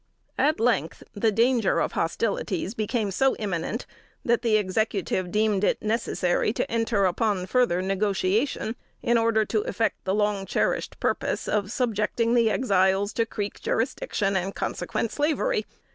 At length the danger of hostilities became so imminent, that the Executive deemed it necessary to enter upon further negotiation in order to effect the long cherished purpose of subjecting the Exiles to Creek jurisdiction and consequent slavery.